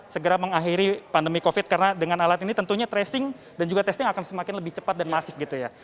segera mengakhiri pandemi covid karena dengan alat ini tentunya tracing dan juga testing akan semakin lebih cepat dan masif gitu ya